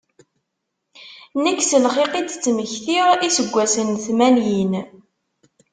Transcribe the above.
Nekk s lxiq i d-ttmektiɣ iseggasen n tmanyin.